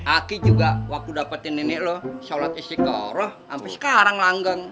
aku juga waktu dapetin nenek lu sholat istiqarah sampai sekarang langgang